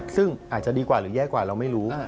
ซึ่งอาจจะดีกว่าหรือแย่กว่าเราไม่รู้